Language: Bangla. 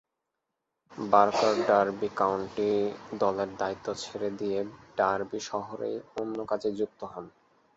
বার্কার ডার্বি কাউন্টি দলের দায়িত্ব ছেড়ে দিয়ে ডার্বি শহরেই অন্য কাজে যুক্ত হন।